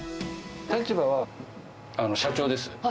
立場は社長です。